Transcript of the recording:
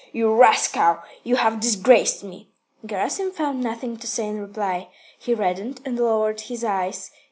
You rascal, you have disgraced me!" Gerasim found nothing to say in reply. He reddened, and lowered his eyes.